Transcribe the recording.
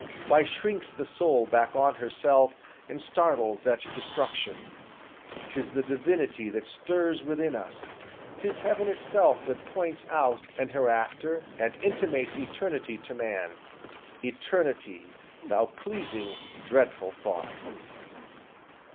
Why shrinks the soul Back on herself, and startles at destruction? 'Tis the divinity that stirs within us; 'Tis heaven itself that points out an hereafter, And intimates eternity to man, Eternity! thou pleasing, dreadful thought."